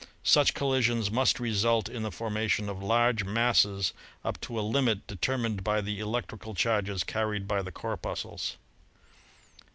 Such col lisions must result in the formation of larger masses up SOLAR ENERGY 115 to a limit determined by the electrical charges carried by the corpuscles.